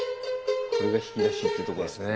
これが弾き出しってとこですね。